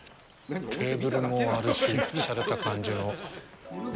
テーブルもあるし、しゃれた感じの。